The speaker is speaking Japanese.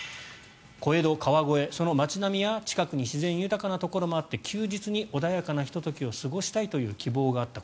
小江戸・川越、その街並みや近くに自然豊かなところもあって休日に穏やかなひと時を過ごしたいという希望があった